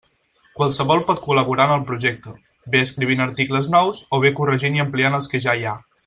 Qualsevol pot col·laborar en el projecte, bé escrivint articles nous, o bé corregint i ampliant els que ja hi ha.